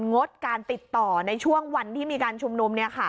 งดการติดต่อในช่วงวันที่มีการชุมนุม